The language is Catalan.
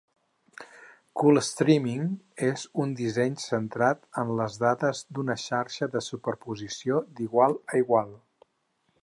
CoolStreaming és un disseny centrat en les dades d'una xarxa de superposició d'igual a igual.